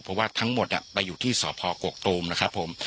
เพราะว่าทั้งหมดไปอยู่ที่สพกกตูมนะครับผม